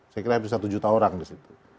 saya kira bisa satu juta orang di situ